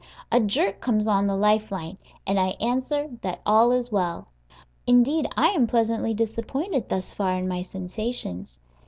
A jerk comes on the life line, and I answer that all is well; indeed, I am pleasantly disappointed, thus far, in my sensations.